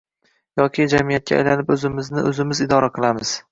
Yoki jamiyatga aylanib o‘zimizni o‘zimiz idora qilamiz